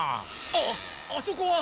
あっあそこは。